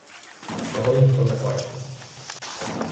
Того ніхто не бачив.